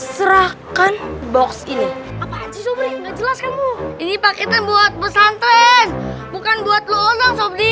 serahkan box ini ini paketnya buat pesan tren bukan buat lo orang